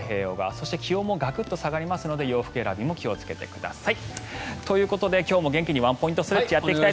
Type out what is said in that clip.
そして気温もガクッと下がりますので洋服選びも気をつけてください。